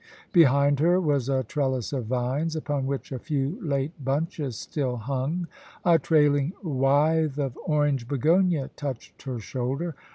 Behind her was a trellis of vines, upon which a few late bunches still hung; a trailing withe of orange begonia touched her shoulder.